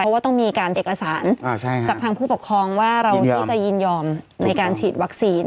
เพราะว่าต้องมีการเอกสารจากทางผู้ปกครองว่าเราที่จะยินยอมในการฉีดวัคซีน